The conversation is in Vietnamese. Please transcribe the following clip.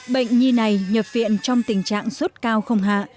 bệnh nhi này nhập viện trong tình trạng sốt cao không hạ